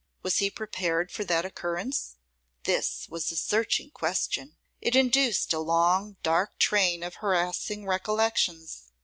Was he prepared for that occurrence? This was a searching question. It induced a long, dark train of harassing recollections.